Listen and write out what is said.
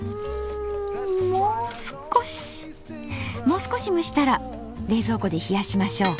もう少し蒸したら冷蔵庫で冷やしましょう。